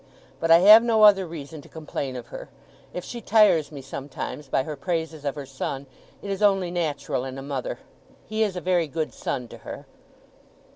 But I have no other reason to complain of her. If she tires me, sometimes, by her praises of her son, it is only natural in a mother. He is a very good son to her.